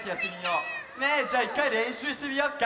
じゃあいっかいれんしゅうしてみよっか。